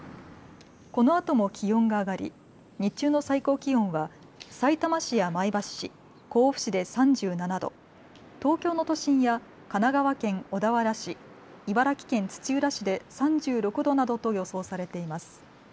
このあとも気温が上がり日中の最高気温はさいたま市や前橋市、甲府市で３７度、東京の都心や神奈川県小田原市、茨城県土浦市で３６度などと予想されています。